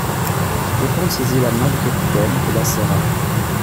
Le comte saisit la main du capitaine et la serra.